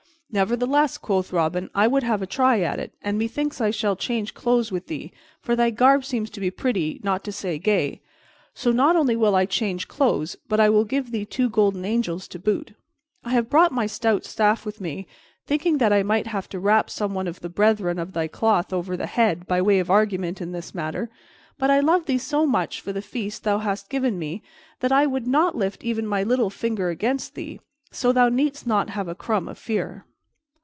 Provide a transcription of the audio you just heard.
"Nevertheless," quoth Robin, "I would have a try at it; and methinks I shall change clothes with thee, for thy garb seemeth to be pretty, not to say gay. So not only will I change clothes, but I will give thee two golden angels to boot. I have brought my stout staff with me, thinking that I might have to rap some one of the brethren of thy cloth over the head by way of argument in this matter, but I love thee so much for the feast thou hast given me that I would not lift even my little finger against thee, so thou needst not have a crumb of fear."